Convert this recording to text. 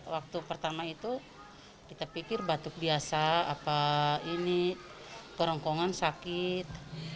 waktu pertama itu kita pikir batuk biasa ini kerongkongan sakit